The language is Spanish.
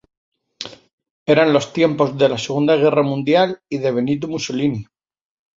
Eran los tiempos de la Segunda Guerra Mundial y de Benito Mussolini.